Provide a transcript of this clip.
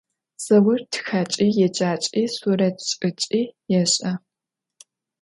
Zaur txaç'i, yêcaç'i, suret ş'ıç'i yêş'e.